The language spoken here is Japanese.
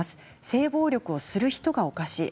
性暴力をする人がおかしい。